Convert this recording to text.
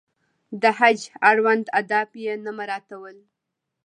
د حج اړوند آداب یې نه مراعاتول.